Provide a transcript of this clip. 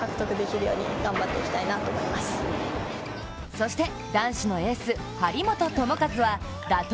そして男子のエース・張本智和は打倒